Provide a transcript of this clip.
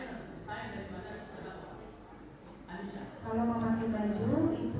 yang itu setelah saudara memposting